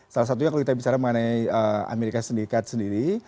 salah satunya kalau kita bicara mengenai amerika serikat sendiri